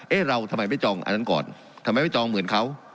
เราทำไมไม่จองอันนั้นก่อนทำไมไม่จองเหมือนเขา